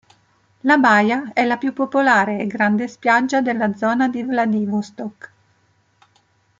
La baia è la più popolare e grande spiaggia della zona di Vladivostok.